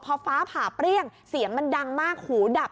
พอฟ้าผ่าเปรี้ยงเสียงมันดังมากหูดับ